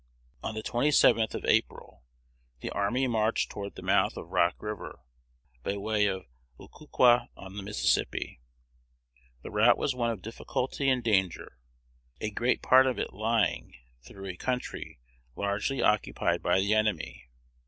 On the 27th of April, the army marched toward the mouth of Rock River, by way of Oquaka on the Mississippi. The route was one of difficulty and danger, a great part of it lying through a country largely occupied by the enemy.